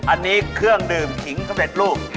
อันนี้เครื่องดื่มขิงสำเร็จรูป